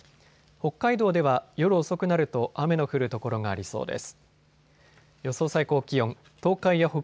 北海道では夜遅くなると雨の降る所がありそうです。